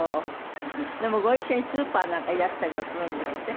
でもご一緒にスーパーなんかいらしたりもするんですって？